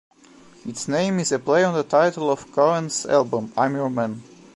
Its name is a play on the title of Cohen's album "I'm Your Man".